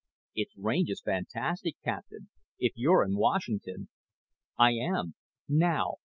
"It's range is fantastic, Captain if you're in Washington." "I am. Now.